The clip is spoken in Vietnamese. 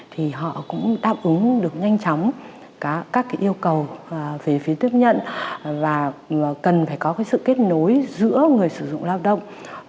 thì họ cũng đáp ứng được nhanh chóng các cái yêu cầu về phía tiếp nhận và cần phải có cái sự kết nối giữa người sử dụng lao động